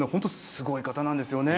すごい方なんですよね。